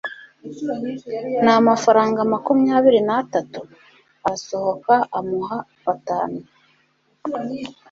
n'amafaranga makumyabiri na atatu? arasohoka, amuha batanu